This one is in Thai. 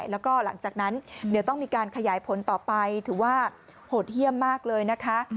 เดี๋ยวต้องมีการขยายผลต่อไปถือว่าหดเยี่ยมมากเลยนะคะ